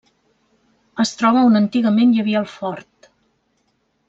Es troba on antigament hi havia el Fort.